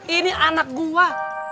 ini anak gua